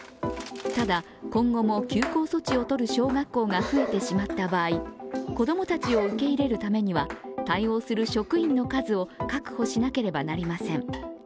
ただ、今後も休校措置をとる小学校が増えてしまった場合子供たちを受け入れるためには、対応する職員の数を確保しなければなりません